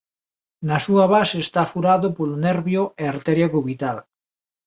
Na súa base está furado polo nervio e arteria cubital.